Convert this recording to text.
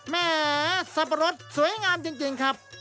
แหมสับปะรดสวยงามจริงครับ